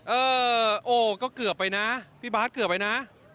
เออโอ้ก็เกือบไปนะพี่บาทเกือบไปนะ